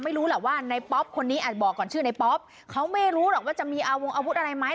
ไม่รู้แหละว่าในป๊อปคนนี้อาจบอกก่อนชื่อในป๊อปเขาไม่รู้หรอกว่าจะมีอาวงอาวุธอะไรไหม